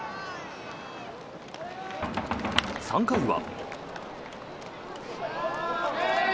３回は。